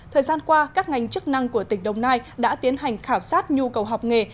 thời gian qua các ngành chức năng của tỉnh đồng nai đã tiến hành khảo sát nhu cầu học nghề